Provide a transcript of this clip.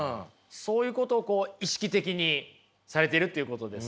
そういうことを意識的にされているということですね。